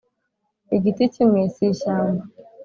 igiti kimwe si ishyamba